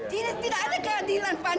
tidak ada keadilan